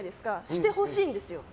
してほしいんですよ。